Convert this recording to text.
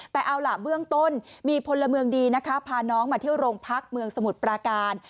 แต่เอาล่ะเบื้องต้นมีพลเมืองดีนะคะพาน้องมาเที่ยวโรงพักเมืองสมุทรปราการ